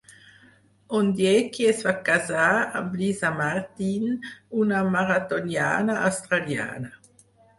Ondieki es va casar amb Lisa Martin, una maratoniana australiana.